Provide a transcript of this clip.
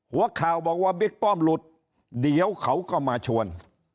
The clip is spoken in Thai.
หัวข่าวบอกว่าบิ๊กป้อมหลุดเดี๋ยวเขาก็มาชวน